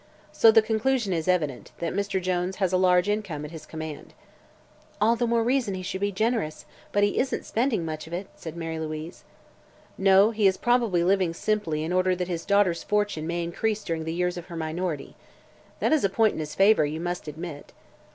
So the conclusion is evident that Mr. Jones has a large income at his command." "All the more reason he should be generous, but he isn't spending much of it," said Mary Louise. "No; he is probably living simply in order that his daughter's fortune may increase during the years of her minority. That is a point in his favor, you must admit."